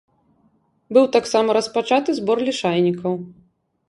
Быў таксама распачаты збор лішайнікаў.